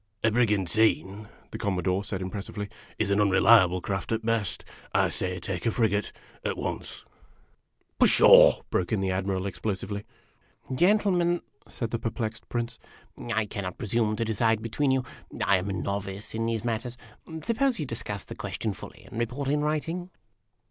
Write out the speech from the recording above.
" A brigantine," the Commodore said impressively, " is an unre liable craft at best. I say, take a frigate, at once." " Pshaw !" broke in the Admiral explosively. " Gentlemen," said the perplexed Prince, " I cannot presume to decide between you. I am a novice in these matters. Suppose you discuss the question fully, and report in writing?"